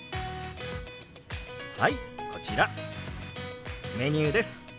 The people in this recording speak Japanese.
はいこちらメニューです。